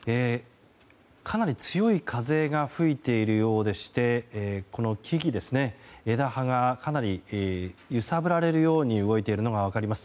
かなり強い風が吹いているようでしてこの木々、枝葉がかなり揺さぶられるように動いているのが分かります。